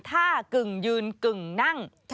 ถ้ากึ่งยืนกึ่งนั่ง